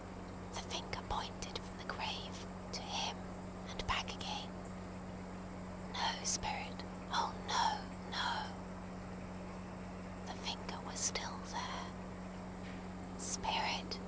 The finger pointed from the grave to him, and back again. "No, Spirit! Oh no, no!" The finger still was there. "Spirit!"